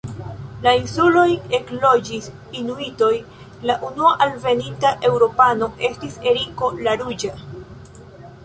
La insulojn ekloĝis inuitoj, la unua alveninta eŭropano estis Eriko la ruĝa.